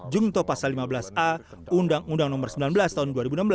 jungto pasal lima belas a undang undang nomor sembilan belas tahun dua ribu enam belas